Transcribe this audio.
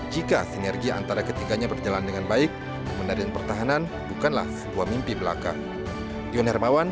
cukup banyak kok dengan litbang ad kita cukup banyak